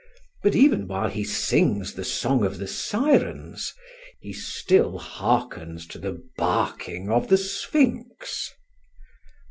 But even while he sings the song of the Sirens, he still hearkens to the barking of the Sphinx.